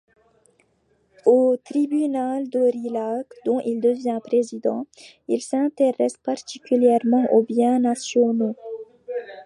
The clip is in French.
Au tribunal d'Aurillac dont il devient président, il s'intéresse particulièrement aux biens nationaux.